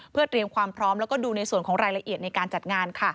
เพื่อเตรียมความพร้อมแล้วก็ดูในส่วนของรายละเอียดในการจัดงาน